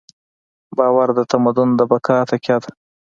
باور د تمدن د بقا تکیه ده.